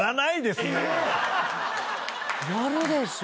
やるでしょ！